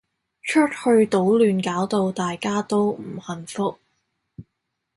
出去搗亂搞到大家都唔幸福